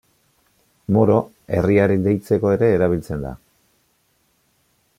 Moro herriari deitzeko ere erabiltzen da.